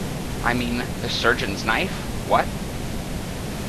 I mean, the surgeon's knife, what?